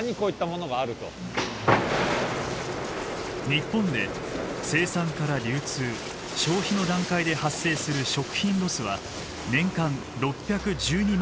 日本で生産から流通消費の段階で発生する食品ロスは年間６１２万トン。